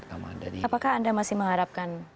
apakah anda masih mengharapkan